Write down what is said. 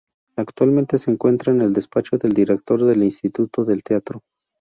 Actualmente se encuentra en el despacho del Director del Instituto del Teatro.